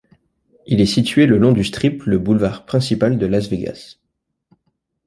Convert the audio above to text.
Il est situé le long du Strip le boulevard principal de Las Vegas.